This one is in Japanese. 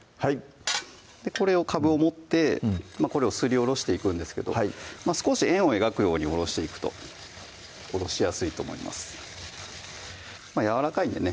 はいかぶを持ってこれをすりおろしていくんですけど少し円を描くようにおろしていくとおろしやすいと思いますやわらかいんでね